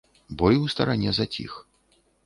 Бой у старане заціх.